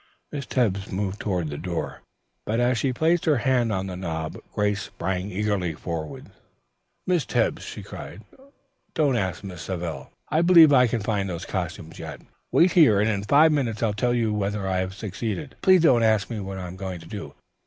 Miss Tebbs moved toward the door, but as she placed her hand on the knob Grace sprang eagerly forward. "Miss Tebbs," she cried, "don't ask Miss Savell. I believe I can find those costumes yet. Wait here and in five minutes I'll tell you whether I have succeeded. Please don't ask me what I am going to do.